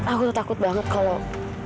aku takut banget kalau